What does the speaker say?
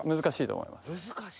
難しいと思います。